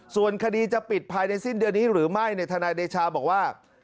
ส่วนคดีจะปิดภายในสิ้นเดือนนี้หรือไม่เนี่ยทนายเดชาบอกว่า